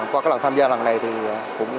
qua cái lần tham gia lần này thì cũng hiệu quả